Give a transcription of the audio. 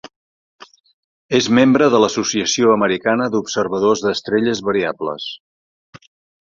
És membre de l'Associació Americana d'Observadors d'Estrelles Variables.